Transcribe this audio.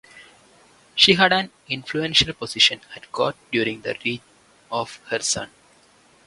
She had an influential position at court during the reign of her son.